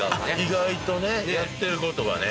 意外とねやってることはね。